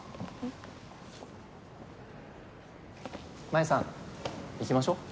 真夢さん行きましょう。